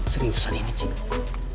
seriusan ini cip